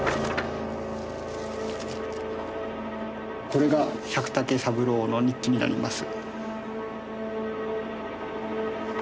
これが百武三郎の日記になります。